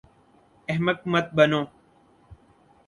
احمق مت بنو